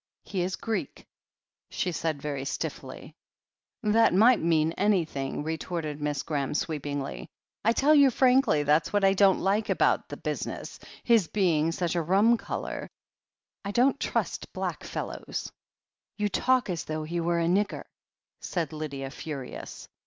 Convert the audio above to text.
'He is Greek," she said very stiffly. That might mean an)rthing," retorted Miss Graham sweepingly. "I tell you frankly that's what I don't like about the business — his being such a rum colour. I don't trust black fellows." "You talk as though he were a nigger !" said Lydia, furious.